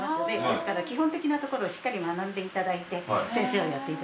ですから基本的なところをしっかり学んでいただいて先生をやっていただくんですね。